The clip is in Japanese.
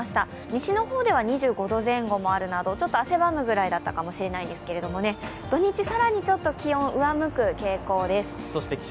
西の方では２５度前後あるなどちょっと汗ばむくらいだったかもしれないですけれども、土日更にちょっと気温上向く傾向です。